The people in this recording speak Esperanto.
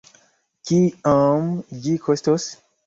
Kiom ĝi kostos?